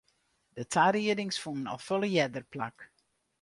De tariedings fûnen al folle earder plak.